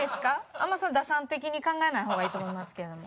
あんまり打算的に考えない方がいいと思いますけれども。